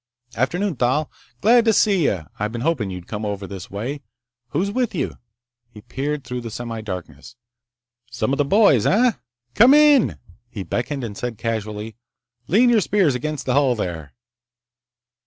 "'Afternoon, Thal! Glad to see you. I've been hoping you'd come over this way. Who's with you?" He peered through the semidarkness. "Some of the boys, eh? Come in!" He beckoned and said casually: "Lean your spears against the hull, there."